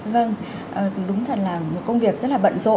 vâng đúng thật là